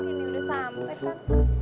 ini udah sampai kan